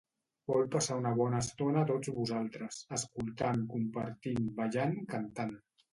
Vol passar una bona estona a tots vosaltres, escoltant, compartint, ballant, cantant.